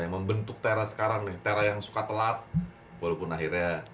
yang membentuk tera sekarang nih tera yang suka telat walaupun akhirnya